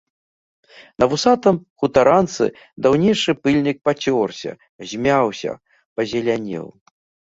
На вусатым хутаранцы даўнейшы пыльнік пацёрся, змяўся, пазелянеў.